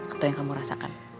atau yang kamu rasakan